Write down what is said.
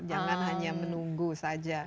jangan hanya menunggu saja